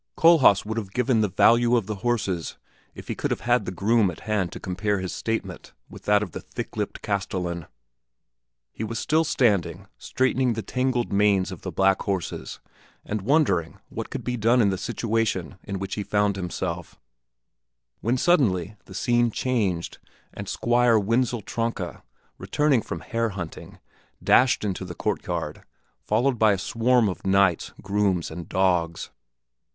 Kohlhaas would have given the value of the horses if he could have had the groom at hand to compare his statement with that of this thick lipped castellan. He was still standing, straightening the tangled manes of the black horses, and wondering what could be done in the situation in which he found himself, when suddenly the scene changed, and Squire Wenzel Tronka, returning from hare hunting, dashed into the courtyard, followed by a swarm of knights, grooms, and dogs.